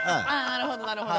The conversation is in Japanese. なるほどなるほど。